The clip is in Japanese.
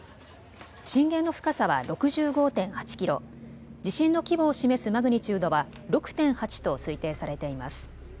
震源の深さは６５．８キロ、地震の規模を示すマグニチュードは６．８と推定されています。